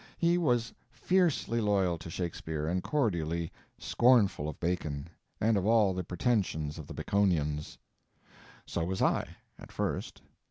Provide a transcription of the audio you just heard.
He was fiercely loyal to Shakespeare and cordially scornful of Bacon and of all the pretensions of the Baconians. So was I—at first.